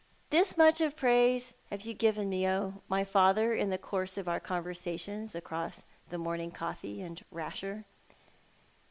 This nnicli of praise liavo you given nie, my father, in the course of our conversa tions across the morning coffte and rasher.